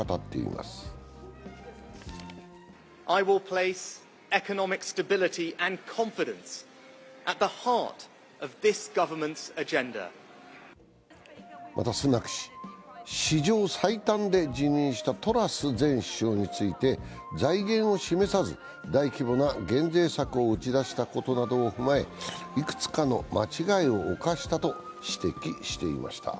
またスナク氏、史上最短で辞任したトラス前首相について財源を示さず、大規模な減税策を打ち出したことなどを踏まえいくつかの間違いを犯したと指摘していました。